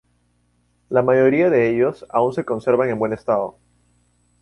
La mayoría de ellos aún se conservan en buen estado.